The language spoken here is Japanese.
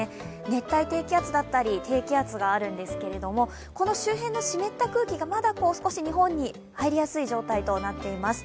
熱帯低気圧だったり、低気圧があるんですけれども、この周辺の湿った空気がまだ少し日本に入りやすい状態となっています。